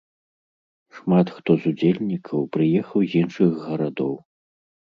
Шмат хто з удзельнікаў прыехаў з іншых гарадоў.